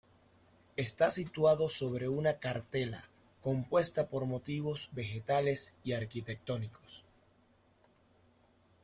Está situado sobre una cartela compuesta por motivos vegetales y arquitectónicos.